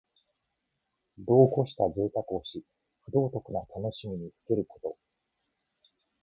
度をこしたぜいたくをし、不道徳な楽しみにふけること。